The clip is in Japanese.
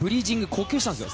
呼吸をしたんですよ。